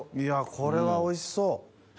これはおいしそう！